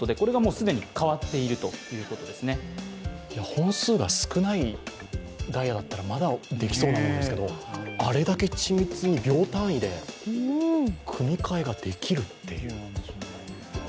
本数が少ないダイヤだったらまだできそうなもんですけど、あれだけ緻密に秒単位で組み換えができるっていう。